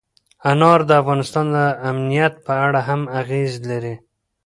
انار د افغانستان د امنیت په اړه هم اغېز لري.